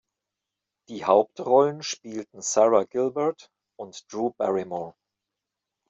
Die Hauptrollen spielten Sara Gilbert und Drew Barrymore.